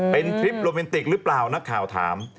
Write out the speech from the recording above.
เป็นทริปโรแมนติกหรือเปล่านักข่าวถาม